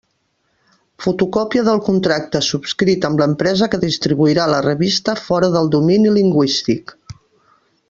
Fotocòpia del contracte subscrit amb l'empresa que distribuirà la revista fora del domini lingüístic.